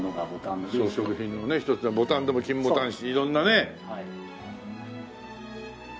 装飾品のひとつでボタンでも金ボタン色んなね。